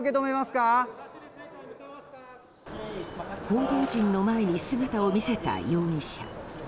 報道陣の前に姿を見せた容疑者。